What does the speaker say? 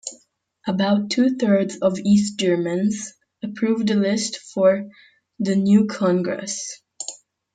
About two-thirds of East Germans approved the list for the new Congress.